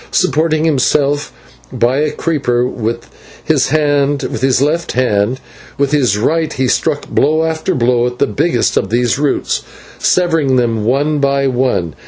Supporting himself by a creeper with his left hand, with his right he struck blow after blow at the biggest of these roots, severing them one by one.